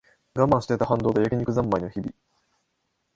我慢してた反動で焼き肉ざんまいの日々